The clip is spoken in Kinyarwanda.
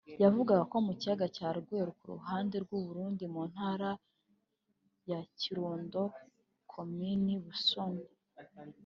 yavugaga ko mu kiyaga cya Rweru ku ruhande rw’u Burundi mu ntara ya Kirundo komini Busoni